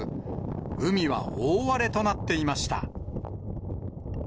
海は大荒れとなっていました。